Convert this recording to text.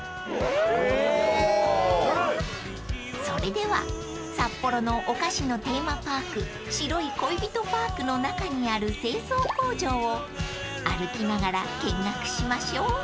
［それでは札幌のお菓子のテーマパーク白い恋人パークの中にある製造工場を歩きながら見学しましょう］